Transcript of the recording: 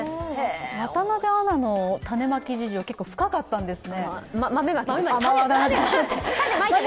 渡部アナの豆まき事情、結構深かったんですね。